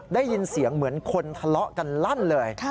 ได้ยินเสียงเหมือนคนทะเลาะกันลั่นเลย